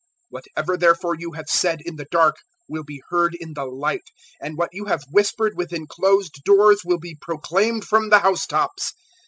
012:003 Whatever therefore you have said in the dark, will be heard in the light; and what you have whispered within closed doors will be proclaimed from the house tops.